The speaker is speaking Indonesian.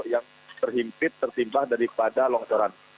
yang terhimpit tertimpa daripada longsoran